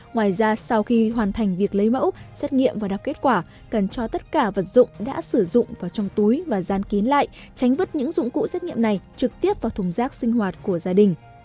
ngoài ra sau khi hoàn thành việc lấy mẫu xét nghiệm và đọc kết quả cần cho tất cả vật dụng đã sử dụng vào trong túi và dán kín lại tránh vứt những dụng cụ xét nghiệm này trực tiếp vào thùng rác sinh hoạt của gia đình